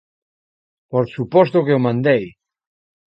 Por suposto que o mandei.